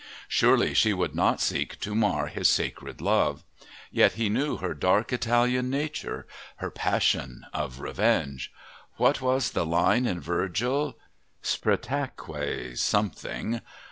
Surely she would not seek to mar his sacred love. Yet, he knew her dark Italian nature, her passion of revenge. What was the line in Virgil? Spretaeque something.